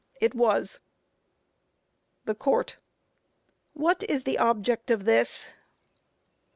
A. It was. THE COURT: What is the object of this?